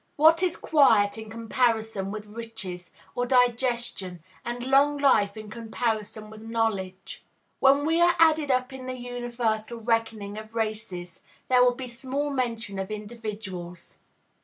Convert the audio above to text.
What is quiet in comparison with riches? or digestion and long life in comparison with knowledge? When we are added up in the universal reckoning of races, there will be small mention of individuals.